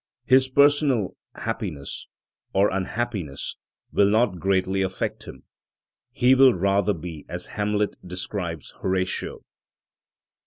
His personal happiness or unhappiness will not greatly affect him, he will rather be as Hamlet describes Horatio:—